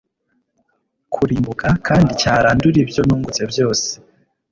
kurimbuka kandi cyarandura ibyo nungutse byose